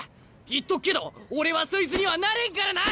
言っとくけど俺はそいつにはなれんからな！